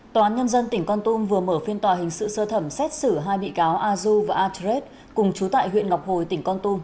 tòa án nhân dân tỉnh con tum vừa mở phiên tòa hình sự sơ thẩm xét xử hai bị cáo azu và atret cùng chú tại huyện ngọc hồi tỉnh con tum